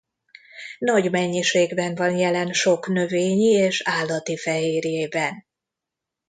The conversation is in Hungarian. Nagy mennyiségben van jelen sok növényi és állati fehérjében.